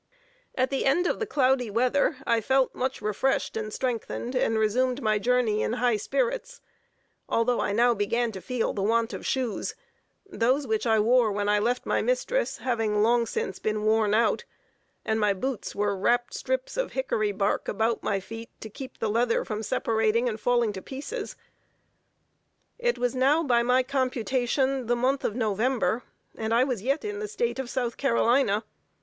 At the end of the cloudy weather, I felt much refreshed and strengthened, and resumed my journey in high spirits, although I now began to feel the want of shoes those which I wore when I left my mistress having long since been worn out, and my boots were wrap straps of hickory bark about my feet to keep the leather from separating, and falling to pieces. It was now, by my computation, the month of November, and I was yet in the State of South Carolina.